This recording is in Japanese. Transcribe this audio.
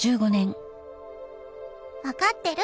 「分かってる？